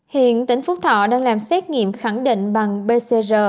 hiện tỉnh phúc thọ đang làm xét nghiệm khẳng định bằng pcr